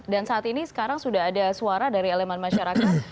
saat ini sekarang sudah ada suara dari elemen masyarakat